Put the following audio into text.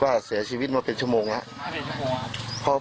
เสียชีวิตมาเป็นชั่วโมงแล้ว